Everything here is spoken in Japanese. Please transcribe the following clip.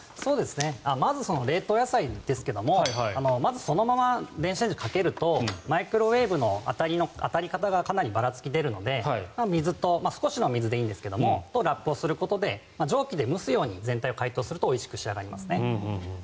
まず、冷凍野菜ですがそのまま電子レンジにかけるとマイクロウェーブの当たり方がかなりばらつきが出るので少しの水とラップをすることで蒸気で蒸すように全体を加熱するとおいしく仕上がりますね。